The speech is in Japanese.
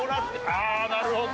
ああなるほど。